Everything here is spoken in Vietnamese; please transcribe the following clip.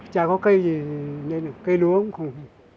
chả có cây gì cây lúa cũng không